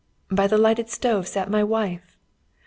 By the lighted stove sat my wife!